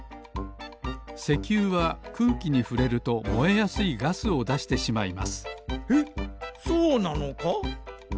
石油は空気にふれるともえやすいガスをだしてしまいますえっそうなのか？